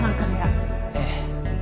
ええ。